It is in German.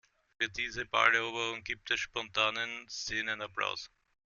Für diese Balleroberung gibt es spontanen Szenenapplaus.